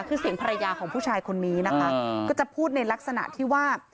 คือเสียงภรรยาของผู้ชายคนนี้นะคะก็จะพูดในลักษณะที่ว่า